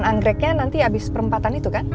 jalan anggregnya nanti abis perempatan itu kan